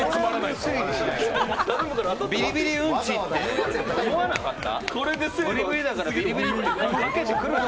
ビリビリうんちって思わなかった？